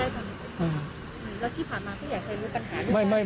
ใกล้ตรงนี้